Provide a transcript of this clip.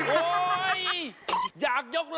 โอ๊ยอยากยกหล่อ